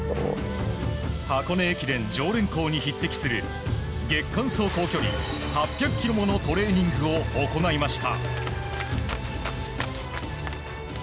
箱根駅伝常連校に匹敵する月間走行距離８００ｋｍものトレーニングを行いました。